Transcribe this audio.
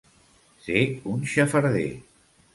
Ser un xafarder.